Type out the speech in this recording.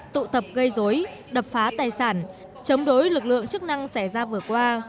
tụ tập gây dối đập phá tài sản chống đối lực lượng chức năng xảy ra vừa qua